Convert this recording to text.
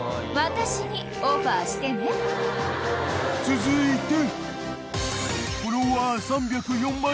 ［続いて］